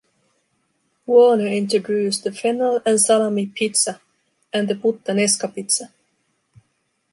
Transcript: Warner introduced the fennel and salami pizza and the Puttanesca pizza.